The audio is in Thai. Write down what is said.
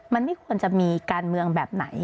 มันไม่ควรจะมีการเมืองแบบไหน